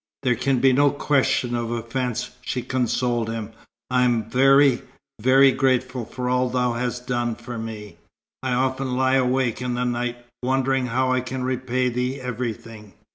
"There can be no question of offence," she consoled him. "I am very, very grateful for all thou hast done for me. I often lie awake in the night, wondering how I can repay thee everything."